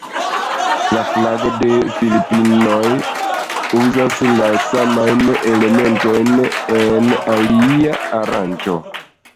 La flago de la Filipinoj uzas la samajn elementojn en alia aranĝo.